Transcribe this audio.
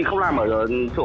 dạ dạ không dạ không có